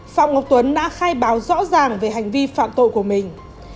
phạm ngọc tuấn đã khai báo rõ ràng về hành vi phạm tội của mình